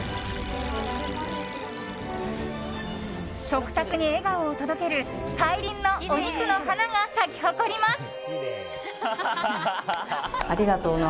食卓に笑顔を届ける大輪のお肉の花が咲き誇ります。